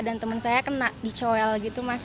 dan temen saya kena dicowel gitu mas